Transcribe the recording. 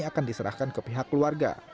akan diserahkan ke pihak keluarga